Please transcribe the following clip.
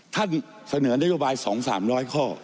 เสนอนโยบาย๒๓๐๐ข้อ